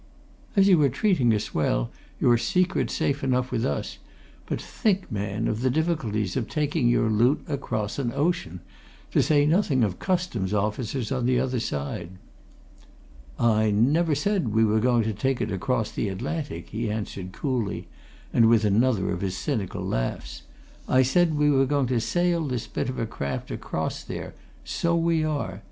As you are treating us well, your secret's safe enough with us but think, man, of the difficulties of taking your loot across an ocean! to say nothing of Customs officers on the other side." "I never said we were going to take it across the Atlantic," he answered coolly and with another of his cynical laughs. "I said we were going to sail this bit of a craft across there so we are.